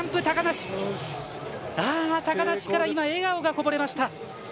高梨から今笑顔がこぼれました。